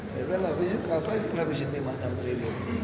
sebenarnya nggak bisa lima enam ribu